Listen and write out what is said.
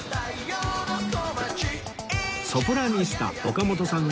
ソプラニスタ岡本さん